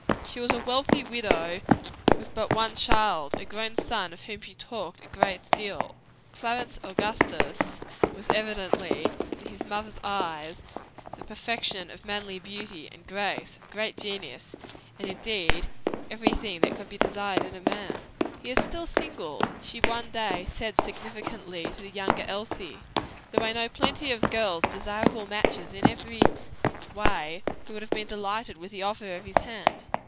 She was a wealthy widow with but one child, a grown up son, of whom she talked a great deal. "Clarence Augustus" was evidently, in his mother's eyes, the perfection of manly beauty and grace, a great genius, and indeed everything that could be desired. "He is still single," she one day said significantly to the younger Elsie, "though I know plenty of lovely girls, desirable matches in every way, who would have been delighted with the offer of his hand.